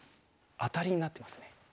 アタリになってますね。